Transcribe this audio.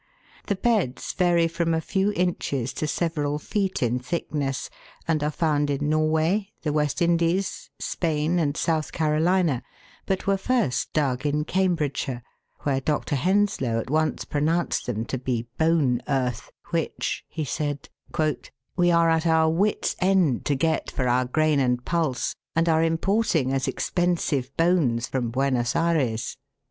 The beds vary from a few inches to several feet in thick ness, and are found in Norway, the West Indies, Spain, and South Carolina, but were first dug in Cambridgeshire, where Dr. Henslow at once pronounced them to be " bone earth, which," he said, " we are at our wits' end to get for our grain and pulse, and are importing as expensive bones from Buenos Ayres."